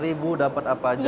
seratus ribu dapet apa aja oke